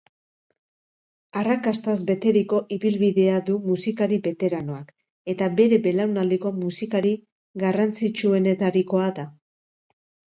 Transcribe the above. Arrakastaz beteriko ibilbidea du musikari beteranoak eta bere belaunaldiko musikari garrantzitsuenetarikoa da.